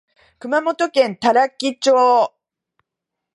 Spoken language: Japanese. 熊本県多良木町